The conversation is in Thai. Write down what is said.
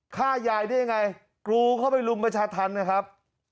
ฆ่ายายได้ยังไงกรูเข้าไปรุมประชาธรรมนะครับ